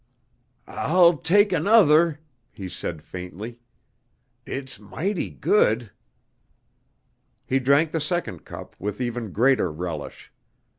"I'll take another," he said faintly. "It's mighty good!" He drank the second cup with even greater relish.